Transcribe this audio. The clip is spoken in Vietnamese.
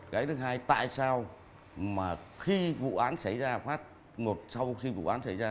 cái thứ hai tại sao mà khi vụ án xảy ra một sau khi vụ án xảy ra